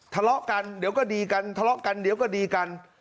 ทะเลาะกันเดี๋ยวก็ดีกันทะเลาะกันเดี๋ยวก็ดีกัน